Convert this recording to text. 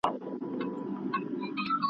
نو پوښتنې ژر ځوابېږي.